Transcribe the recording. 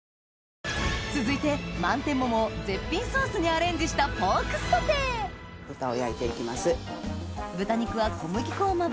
続いて満天桃を絶品ソースにアレンジした豚を焼いていきます。